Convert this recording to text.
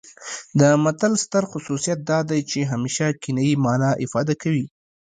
د متل ستر خصوصیت دا دی چې همیشه کنايي مانا افاده کوي